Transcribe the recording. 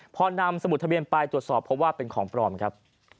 พอนำสมุดทะเบียนไปตรวจสอบเพราะว่าเป็นของปลอมครับ